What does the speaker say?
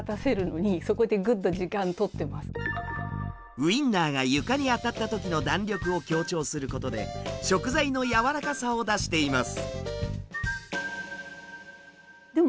ウインナーが床に当たった時の弾力を強調することで食材の柔らかさを出しています。